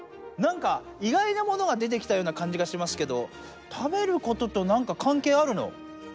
なんかいがいなものがでてきたようなかんじがしますけど食べることとなんかかんけいあるの？